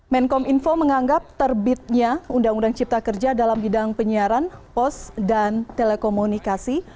menkom info menganggap terbitnya undang undang cipta kerja dalam bidang penyiaran pos dan telekomunikasi